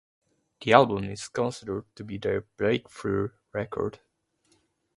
The album is considered to be their breakthrough record.